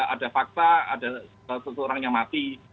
ada fakta ada seseorang yang mati